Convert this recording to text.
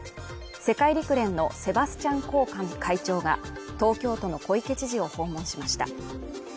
世界陸連のセバスチャン・コー会長が東京都の小池知事を訪問しました